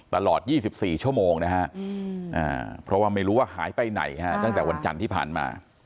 ตลอด๒๔ชั่วโมงนะฮะเพราะว่าไม่รู้ว่าหายไปไหนฮะตั้งแต่วันจันทร์ที่ผ่านมา